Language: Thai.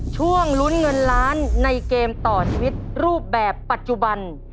ช่วงลุ้นเงินล้านในเกมต่อชีวิตรูปแบบปัจจุบัน